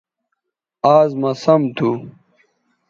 آز مہ سم تھو